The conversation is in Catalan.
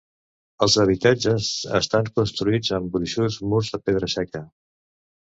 Els habitatges estan construïts amb gruixuts murs de pedra seca.